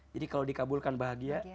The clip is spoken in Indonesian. jadi kalau dikabulkan bahagia